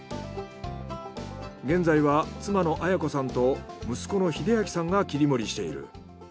現在は妻のアヤ子さんと息子の秀明さんが切り盛りしている。